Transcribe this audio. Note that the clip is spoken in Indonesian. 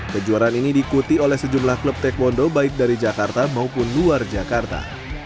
kejuaraan ini diikuti oleh sejumlah klub taekwondo baik dari jakarta maupun luar jakarta